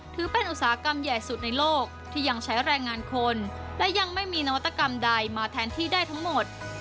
ถือเป็นอุตสาหกรรมใหญ่สุดในโลกที่ยังใช้แรงงานคนและยังไม่มีนวัตกรรมใดมาแทนที่ได้ทั้งหมด